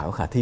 có khả thi